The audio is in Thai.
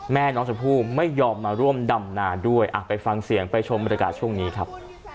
แม่น้องชมพู่ไม่ยอมมาร่วมดำนาด้วยไปฟังเสียงไปชมบรรยากาศช่วงนี้ครับ